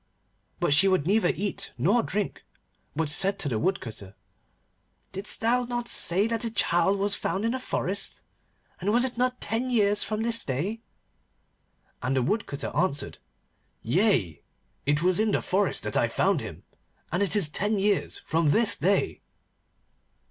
But she would neither eat nor drink, but said to the Woodcutter, 'Didst thou not say that the child was found in the forest? And was it not ten years from this day?' And the Woodcutter answered, 'Yea, it was in the forest that I found him, and it is ten years from this day.